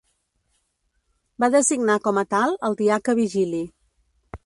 Va designar com a tal al diaca Vigili.